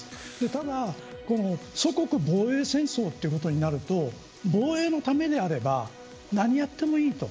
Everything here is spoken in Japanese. ただ、この祖国防衛戦争ということになると防衛のためであれば何やってもいいと。